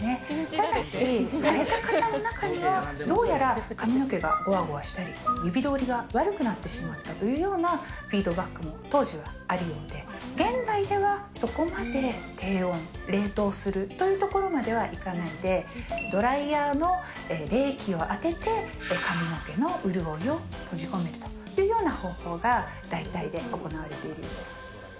ただし、された方の中にはどうやら髪の毛がごわごわしたり、指どおりが悪くなってしまったというようなフィードバックも当時はあるようで、現代ではそこまで低温、冷凍するというところまではいかないで、ドライヤーの冷気を当てて髪の毛の潤いを閉じ込めるというような方法が代替で行われているようです。